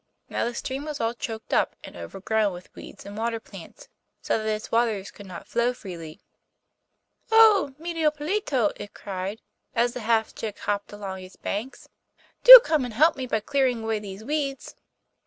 Now the stream was all choked up, and overgrown with weeds and water plants, so that its waters could not flow freely. 'Oh! Medio Pollito,' it cried, as the half chick hopped along its banks, 'do come and help me by clearing away these weeds.